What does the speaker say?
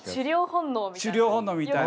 狩猟本能みたいな。